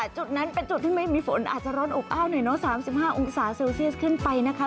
จุดนั้นเป็นจุดที่ไม่มีฝนอาจจะร้อนอบอ้าวหน่อยเนอะ๓๕องศาเซลเซียสขึ้นไปนะคะ